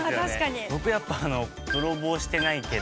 僕やっぱ「泥棒してないけど」。